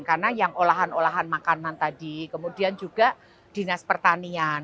karena yang olahan olahan makanan tadi kemudian juga dinas pertanian